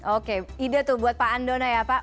oke ide tuh buat pak andono ya pak